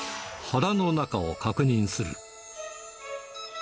腹の中を確認する。